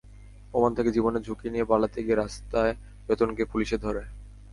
Oman থেকে জীবনের ঝুঁকি নিয়ে পালাতে গিয়ে রাস্তায় জয়তুনকে পুলিশে ধরে।